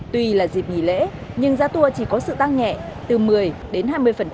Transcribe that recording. tuy là dịp nghỉ lễ nhưng giá tour chỉ có sự tăng nhẹ từ một mươi đến hai mươi